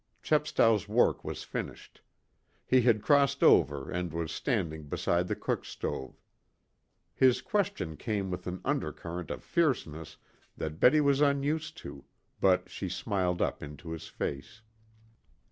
Chepstow's work was finished. He had crossed over and was standing beside the cook stove. His question came with an undercurrent of fierceness that Betty was unused to, but she smiled up into his face.